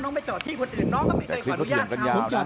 ไปจอดที่คนอื่นน้องก็ไม่เคยขออนุญาตครับ